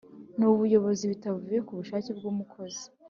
n’ubuyobozi bitavuye ku bushake bw’umukozi.